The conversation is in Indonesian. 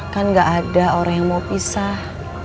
kan gak ada orang yang mau pisah